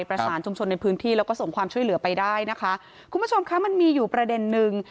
ประสานชุมชนในพื้นที่แล้วก็ส่งความช่วยเหลือไปได้นะคะคุณผู้ชมคะมันมีอยู่ประเด็นนึง